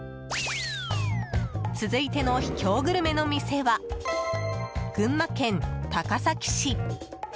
続いての秘境グルメの店は群馬県高崎市。